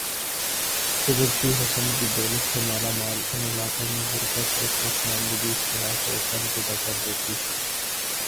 قدرتی حسن کی دولت سے مالا مال ان علاقوں میں غر بت اور پس ماندگی سیاح کو غم زدہ کر دیتی ہے ۔